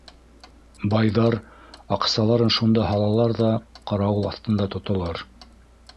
Байҙар, аҡсаларын шунда һалалар ҙа ҡарауыл аҫтында тоталар.